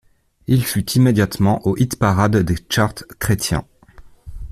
Il fut immédiatement au hit-parade des charts chrétiens.